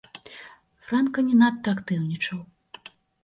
Франка не надта актыўнічаў.